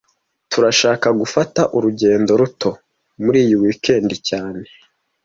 Turashaka gufata urugendo ruto muri iyi weekend cyane